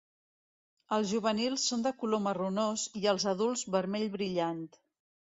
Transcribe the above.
Els juvenils són de color marronós i els adults vermell brillant.